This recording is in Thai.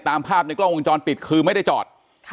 ตามภาพในกล้องวงจรปิดคือไม่ได้จอด